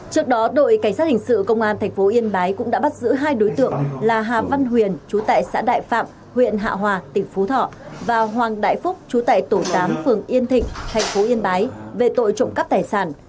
trước đó đội cảnh sát hình sự công an tp yên bái cũng đã bắt giữ hai đối tượng là hà văn huyền chú tại xã đại phạm huyện hạ hòa tỉnh phú thọ và hoàng đại phúc chú tại tổ tám phường yên thịnh thành phố yên bái về tội trộm cắp tài sản